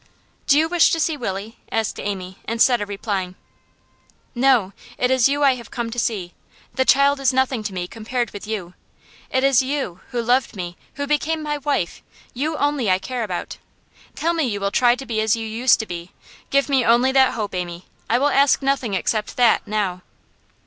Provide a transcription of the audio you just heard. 'Do you wish to see Willie?' asked Amy, instead of replying. 'No. It is you I have come to see. The child is nothing to me, compared with you. It is you, who loved me, who became my wife you only I care about. Tell me you will try to be as you used to be. Give me only that hope, Amy; I will ask nothing except that, now.